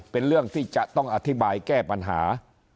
เป็นเรื่องที่จะต้องอธิบายแก้ปัญหา